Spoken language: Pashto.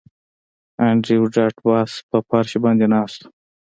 انډریو ډاټ باس په فرش باندې ناست و